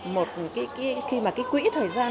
một cái quỹ thời gian